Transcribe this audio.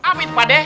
apa itu pade